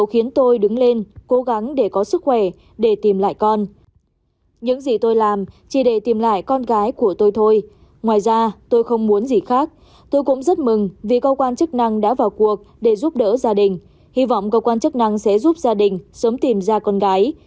hy vọng cơ quan chức năng sẽ giúp gia đình sớm tìm ra con gái